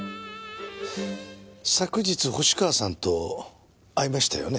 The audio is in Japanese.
昨日星川さんと会いましたよね？